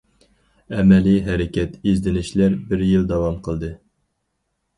ئەمەلىي ھەرىكەت، ئىزدىنىشلەر بىر يىل داۋام قىلدى.